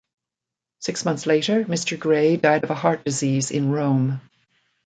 Six months later, Mr. Gray died of a heart disease in Rome.